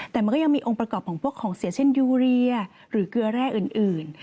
แต่มันก็ยังมีองค์ประกอบของพวกของเสียเช่นยูเรียหรือเกลือแร่อื่น